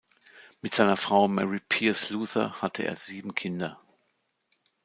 Mit seiner Frau Mary Pierce Luther hatte er sieben Kinder.